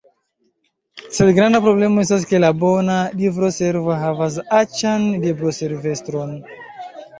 Sed granda problemo estas ke la bona libroservo havas aĉan libroservestron.